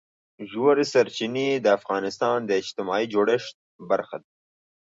ژورې سرچینې د افغانستان د اجتماعي جوړښت برخه ده.